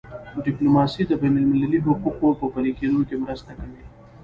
ډیپلوماسي د بینالمللي حقوقو په پلي کېدو کي مرسته کوي.